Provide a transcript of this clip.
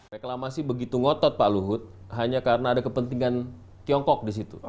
reklamasi begitu ngotot pak luhut hanya karena ada kepentingan tiongkok disitu